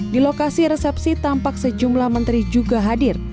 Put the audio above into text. di lokasi resepsi tampak sejumlah menteri juga hadir